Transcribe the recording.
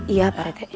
iya pak rete